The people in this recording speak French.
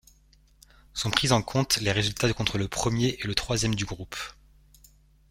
Sont pris en compte les résultats contre le premier et le troisième du groupe.